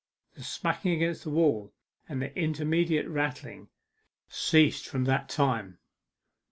The smacking against the wall, and the intermediate rattling, ceased from that time.